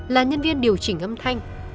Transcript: là nhân viên điều chỉnh âm thanh